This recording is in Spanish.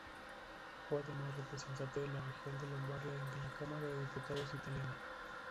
Fue además representante de la Región de Lombardía en la Cámara de Diputados italiana.